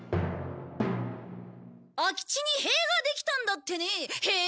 「空き地に塀ができたんだってね。へえ」。